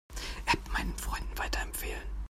App meinen Freunden weiterempfehlen.